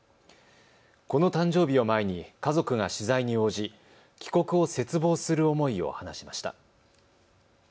この誕生日を前に家族が取材に応じ帰国を切望する思いを話しました。